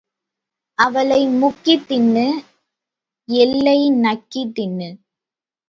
அவலை முக்கித் தின்னு எள்ளை நக்கித் தின்னு.